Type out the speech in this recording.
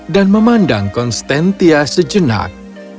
dan memandang konstantia sejenak